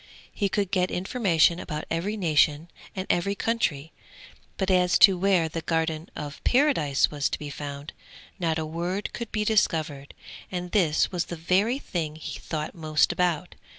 He could get information about every nation and every country; but as to where the Garden of Paradise was to be found, not a word could he discover, and this was the very thing he thought most about.